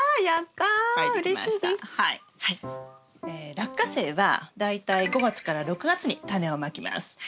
ラッカセイは大体５月から６月にタネをまきます。